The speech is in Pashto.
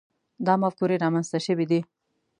دا مفکورې رامنځته شوي دي.